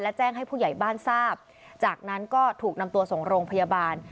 และแจ้งให้ผู้ใหญ่บ้านทราบจากนั้นก็ถูกนำตัวส่งโรงพยาบาล